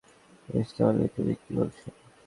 বেশ, তাহলে তুমি কি বলছ?